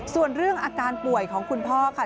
ส่วนเรื่องอาการป่วยของคุณพ่อค่ะ